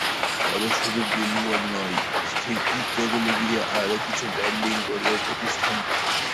তবে শুধু বিলবোর্ড নয়, স্থিরচিত্রগুলি দিয়ে আরও কিছু ব্র্যান্ডিং করবে প্রতিষ্ঠানটি।